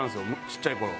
ちっちゃい頃。